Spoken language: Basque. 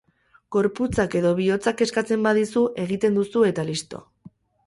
Gorputzak edo bihotzak eskatzen badizu, egiten duzu eta listo.